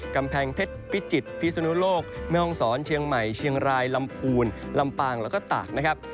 กำแพงเพชรพิจิตรพิศนุโลกแม่ห้องศรเชียงใหม่เชียงรายลำพูนลำปางแล้วก็ตากนะครับ